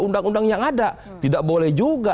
undang undang yang ada tidak boleh juga